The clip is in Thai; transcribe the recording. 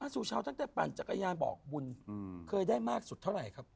สู่เช้าตั้งแต่ปั่นจักรยานบอกบุญเคยได้มากสุดเท่าไหร่ครับ